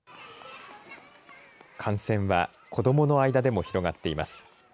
感染は子どもの間でも広がっています。